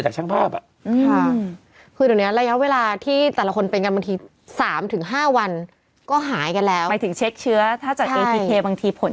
คือกดที่มันเหลือยอด